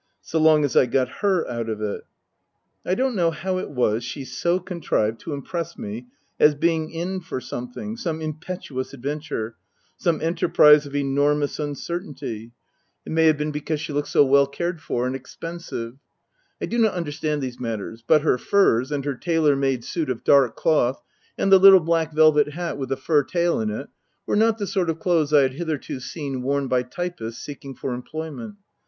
So long as I got her out of it. I don't know how it was she so contrived to impress me as being in for something, some impetuous adventure, some enterprise of enormous uncertainty. It may have been Book I : My Book 13 because she looked so well cared for and expensive. I do not understand these matters, but her furs, and her tailor made suit of dark cloth, and the little black velvet hat with the fur tail in it were not the sort of clothes I had hitherto seen worn by typists seeking for employment.